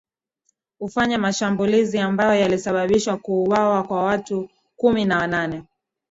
ufanya mashambulizi ambayo yalisababisha kuuwawa kwa watu kumi na wanane